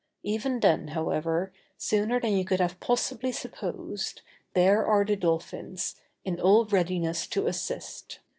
Even then however, sooner than you could have possibly supposed, there are the dolphins, in all readiness to assist.